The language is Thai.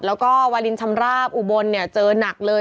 แล้วก็วาลินชำราบอุบลเจอหนักเลย